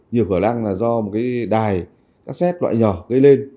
nhiều khởi lăng do một đài cassette loại nhỏ gây lên